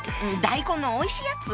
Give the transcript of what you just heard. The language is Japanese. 大根のおいしいやつ。